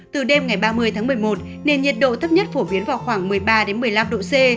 từ đêm ngày ba mươi tháng một mươi một nền nhiệt độ thấp nhất phổ biến vào khoảng một mươi ba một mươi năm độ c